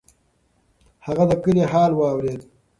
هغه د کلي حال واورېد.